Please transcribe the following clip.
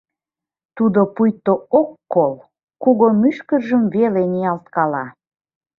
Тудо пуйто ок кол, кугу мӱшкыржым веле ниялткала.